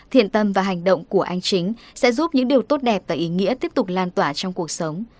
thiện tâm và hành động của anh chính sẽ giúp những điều tốt đẹp và ý nghĩa tiếp tục lan tỏa trong cuộc sống